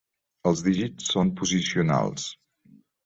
Els dígits són posicionals.